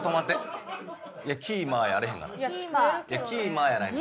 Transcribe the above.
いや「キーマ」やあれへんがな。